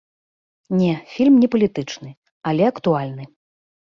Не, фільм не палітычны, але актуальны.